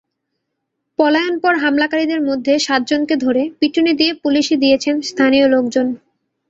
পলায়নপর হামলাকারীদের মধ্যে সাতজনকে ধরে পিটুনি দিয়ে পুলিশে দিয়েছেন স্থানীয় লোকজন।